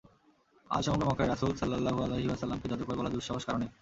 আজ সমগ্র মক্কায় রাসূল সাল্লাল্লাহু আলাইহি ওয়াসাল্লাম-কে জাদুকর বলার দুঃসাহস কারো নেই।